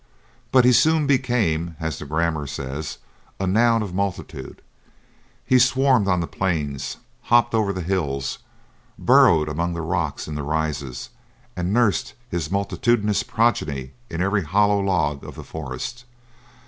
But he soon became, as the grammar says, a noun of multitude. He swarmed on the plains, hopped over the hills, burrowed among the rocks in the Rises, and nursed his multitudinous progeny in every hollow log of the forest.